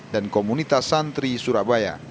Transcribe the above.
dan komunitas santri surabaya